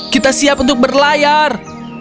kita siap untuk berlayar